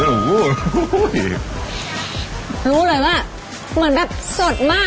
รู้เลยว่ามันแบบสดมาก